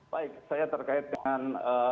baik saya terkait dengan